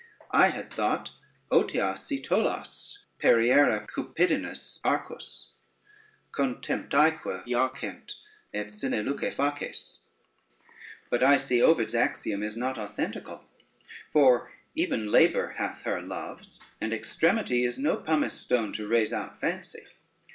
I had thought Otia si tollas, periere Cupidinis arcus, Contemptaeque jacent et sine luce faces; but I see Ovid's axiom is not authentical, for even labor hath her loves, and extremity is no pumice stone to rase out fancy.